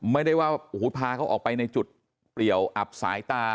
ไม่ได้ว่าพาเขาออกไปในจุดเปลี่ยวอับสายตา